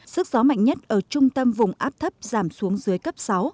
sức gió mạnh nhất ở trung tâm vùng áp thấp giảm xuống dưới cấp sáu